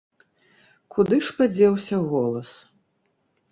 Куды ж падзеўся голас?